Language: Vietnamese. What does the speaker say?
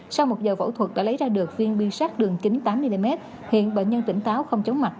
sau một giờ phẫu thuật đã lấy ra được viên bi sắt đường kính tám mm hiện bệnh nhân tỉnh táo không chống mặt